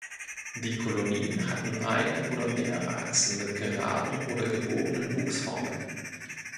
Die Kolonien hatten eine oder mehrere Achsen mit geraden oder gebogenen Wuchsformen.